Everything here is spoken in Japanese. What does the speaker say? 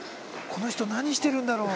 「この人何してるんだろう？」。